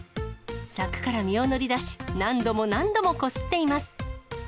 柵から身を乗り出し、何度も何度もこすっています。